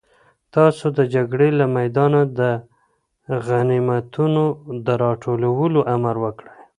تاسو د جګړې له میدانه د غنیمتونو د راټولولو امر وکړئ.